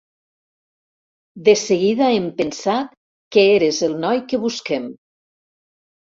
De seguida hem pensat que eres el noi que busquem.